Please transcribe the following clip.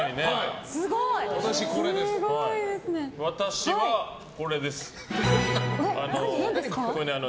私はこれです。